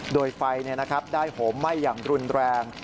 โดยไฟได้โหมไหม้อย่างรุนแรง